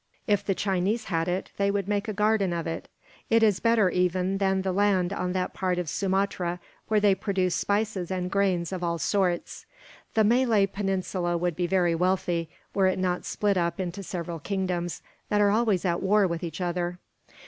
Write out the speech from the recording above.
If the Chinese had it, they would make a garden of it. It is better, even, than the land on that part of Sumatra where they produce spices and grains of all sorts. The Malay Peninsula would be very wealthy, were it not split up into several kingdoms, that are always at war with each other.